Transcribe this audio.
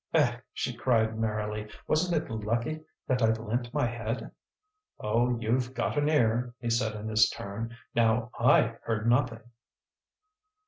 "Eh!" she cried merrily; "wasn't it lucky that I leant my head?" "Oh, you've got an ear!" he said in his turn. "Now, I heard nothing."